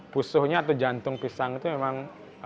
pusuhnya atau jantung pisang itu memang